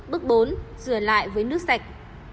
bước bốn rửa lại với nước sạch